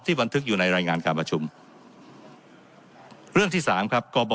บันทึกอยู่ในรายงานการประชุมเรื่องที่สามครับกบ